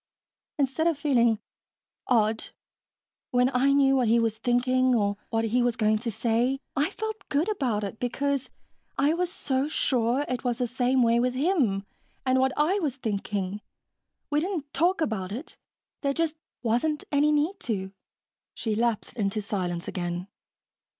Instead of feeling ... odd ... when I knew what he was thinking or what he was going to say, I felt good about it, because I was so sure it was the same way with him and what I was thinking. We didn't talk about it. There just wasn't any need to." She lapsed into silence again.